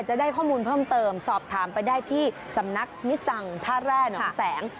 จะได้ข้อมูลเพิ่มเติมสอบถามไปได้ที่สำนักมิสังท่าแร่หนองแสง